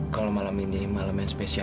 kalau malam ini malam main spesial inilah